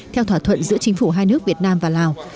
theo thỏa thuận giữa chính phủ hai nước việt nam và lào